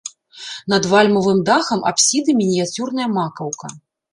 Над вальмавым дахам апсіды мініяцюрная макаўка.